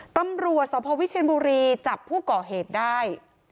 ตำรวจสพวิเชียนบุรีจับผู้ก่อเหตุได้